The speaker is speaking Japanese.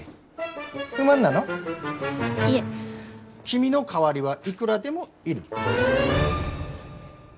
君の代わりはいくらでもいる。